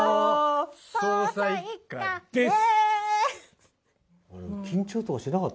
捜査１課です！